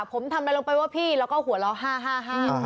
ผมทำได้ลงไปว่าพี่แล้วก็หัวเรา่าฮ่าฮ่าฮ่า